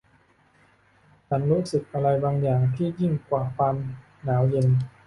ฉันรู้สึกถึงอะไรบางอย่างที่ยิ่งกว่าความหนาวเย็น